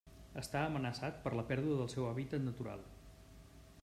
Està amenaçat per la pèrdua del seu hàbitat natural.